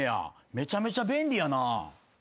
めちゃめちゃ便利やなぁ。